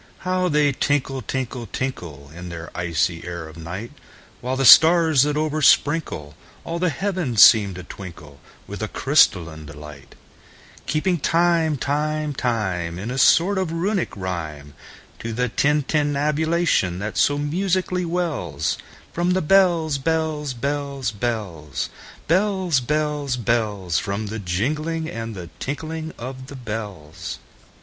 How they tinkle, tinkle, tinkle, In the icy air of night! While the stars, that oversprinkleAll the heavens, seem to twinkleWith a crystalline delight; Keeping time, time, time, In a sort of Runic rhyme, To the tintinnabulation that so musically wellsFrom the bells, bells, bells, bells, Bells, bells, bells—From the jingling and the tinkling of the bells.